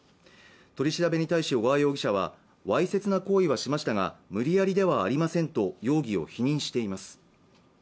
取り調べに対し小川容疑者はわいせつな行為はしましたが無理やりではありませんと容疑を否認しています